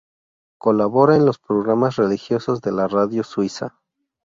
Colabora en los programas religiosos de la Radio Suiza.